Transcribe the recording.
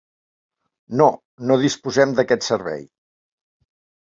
No, no disposem d'aquest servei.